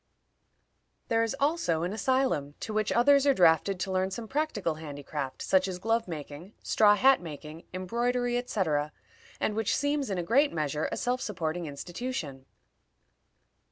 There is also an asylum to which others are drafted to learn some practical handicraft, such as glove making, straw hat making, embroidery, etc., and which seems, in a great measure, a self supporting institution.